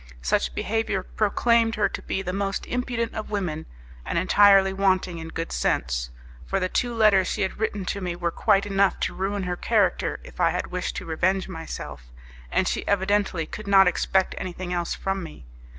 Such behaviour proclaimed her to be the most impudent of women, and entirely wanting in good sense; for the two letters she had written to me were quite enough to ruin her character if I had wished to revenge myself, and she evidently could not expect anything else from me.